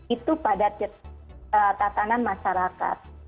itu pada tatanan masyarakat